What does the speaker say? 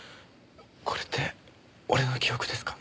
これって俺の記憶ですか？